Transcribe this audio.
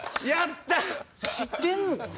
知ってんのかな？